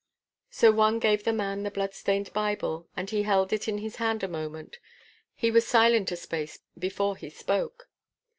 So one gave the man the blood stained Bible, and he held it in his hand a moment. He was silent a space before he spoke.